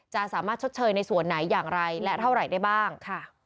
จะสามารถชดเชยในส่วนไหนอย่างไรและเท่าไหร่ได้บ้าง